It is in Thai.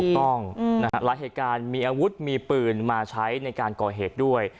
ถูกต้องอืมนะฮะหลายเหตุการณ์มีอาวุธมีปืนมาใช้ในการก่อเหตุด้วย